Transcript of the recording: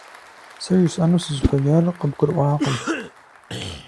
Сэ жысӏэну сызыхуеяр къыбгурыӏуакъым.